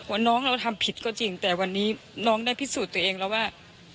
ว่าน้องเราทำผิดก็จริงแต่วันนี้น้องได้พิสูจน์ตัวเองแล้วว่า